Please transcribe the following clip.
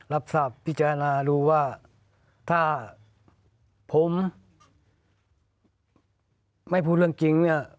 รับทราบพิจารณาดูว่าถ้าผมไม่พูดเรื่องจริงเนี่ย